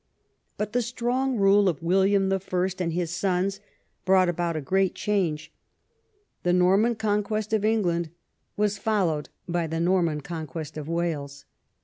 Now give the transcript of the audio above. But the strong rule of William I. and his sons brought about a great change. The Xorman Conquest of England was followed by the Norman Conquest of Wales.